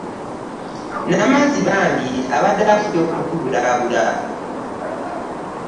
Namazzi bambi abadde afubye okutubudaabuda.